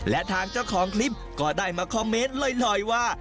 และทางเจ้าของคลิปก็ได้มาคอมเมนต์หน่อยว่า